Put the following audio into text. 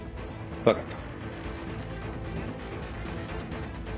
わかった。